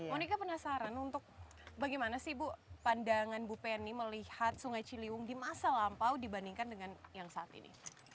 monika penasaran untuk bagaimana sih bu pandangan bu penny melihat sungai ciliwung di masa lampau dibandingkan dengan yang saat ini